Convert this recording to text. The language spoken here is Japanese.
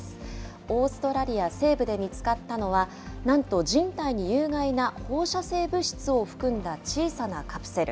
オーストラリア西部で見つかったのは、なんと人体に有害な放射性物質を含んだ小さなカプセル。